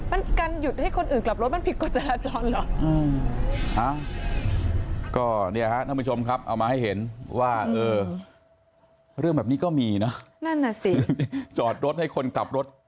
มันการหยุดให้คนอื่นกลับรถมันผิดกฎจราจรเหรอ